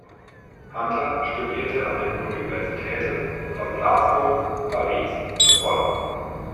Hunter studierte an den Universitäten von Glasgow, Paris und Bonn.